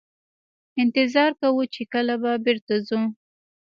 انتظار کوو چې کله به بیرته ځو.